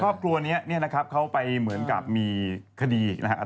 ครอบครัวนี้เขาไปเหมือนกับมีคดีนะครับ